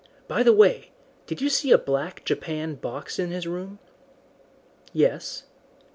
By the way, did you see a black japanned box in his room?" "Yes."